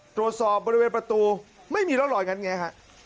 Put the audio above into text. ตรวจสอบบริเวณประตูไม่มีร่องรอยงั้นไงฮะ